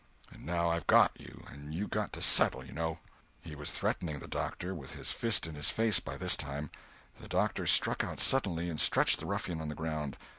And now I've got you, and you got to settle, you know!" He was threatening the doctor, with his fist in his face, by this time. The doctor struck out suddenly and stretched the ruffian on the ground.